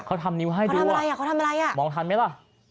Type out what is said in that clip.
เขาทำนิ้วให้ดูทำอะไรอ่ะเขาทำอะไรอ่ะมองทันไหมล่ะ